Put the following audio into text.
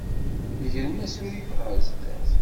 Grem asurif ɣer sdat.